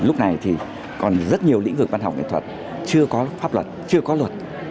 lúc này thì còn rất nhiều lĩnh vực văn học nghệ thuật chưa có pháp luật chưa có luật